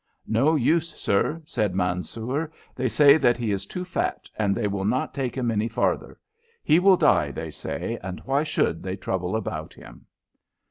"No use, sir," said Mansoor. "They say that he is too fat, and that they will not take him any farther. He will die, they say, and why should they trouble about him?"